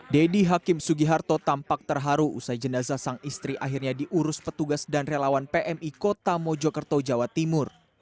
deddy hakim sugiharto tampak terharu usai jenazah sang istri akhirnya diurus petugas dan relawan pmi kota mojokerto jawa timur